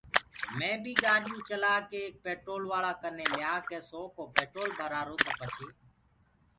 مي بي گآڏيو ڪوُ چلآڪي ايڪ پينٽولوآݪآ ڪني ليآڪي سو ڪو پينٽول ڀرآرو تو پڇي